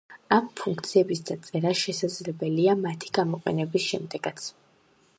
ამ ფუნქციების დაწერა შესაძლებელია მათი გამოყენების შემდეგაც.